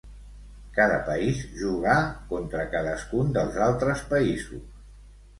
Cada país jugà contra cadascun dels altres països.